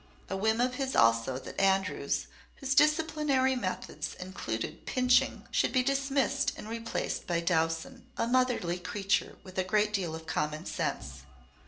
A whim of his also that Andrews, whose disciplinary methods included pinching, should be dismissed and replaced by Dowson, a motherly creature with a great deal of common sense.